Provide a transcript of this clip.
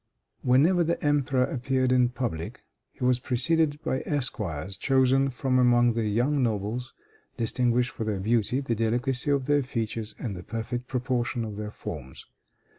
Whenever the emperor appeared in public, he was preceded by esquires chosen from among the young nobles distinguished for their beauty, the delicacy of their features and the perfect proportion of their forms.